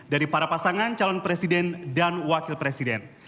dari para pasangan calon presiden dan wakil presiden